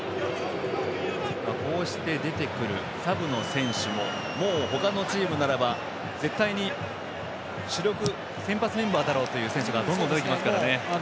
こうして出てくるサブの選手ももう他のチームならば絶対に主力先発メンバーだろうという選手がどんどん出てきますからね。